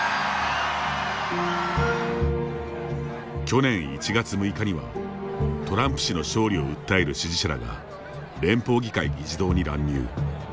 去年１月６日にはトランプ氏の勝利を訴える支持者らが連邦議会議事堂に乱入。